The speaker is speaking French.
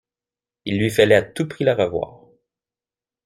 Il lui fallait à tout prix la revoir.